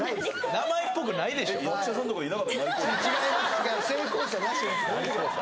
名前っぽくないでしょ違います